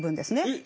え？